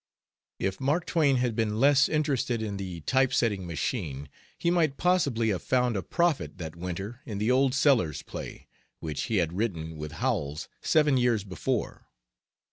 If Mark Twain had been less interested in the type setting machine he might possibly have found a profit that winter in the old Sellers play, which he had written with Howells seven years before.